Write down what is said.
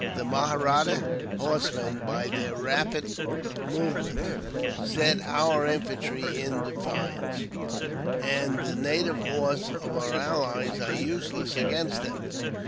The Mahratta horsemen, by their rapid movements, set our infantry in defiance; and the native horse of our allies are useless against them.